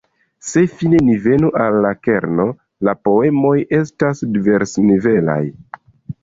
Se fine ni venu al la kerno, la poemoj estas diversnivelaj.